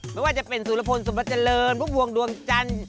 ไม่ว่าจะเป็นสุรพลสมบัติเจริญพวกภวงดวงจันทร์